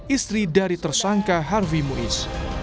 istri dari tersangka harvi muiz